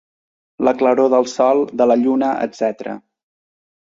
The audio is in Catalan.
La claror del sol, de la lluna, etc.